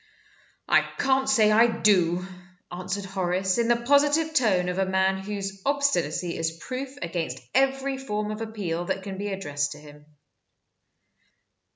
"I can't say I do," answered Horace, in the positive tone of a man whose obstinacy is proof against every form of appeal that can be addressed to him.